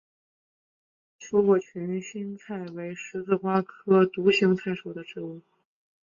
球果群心菜为十字花科独行菜属的植物。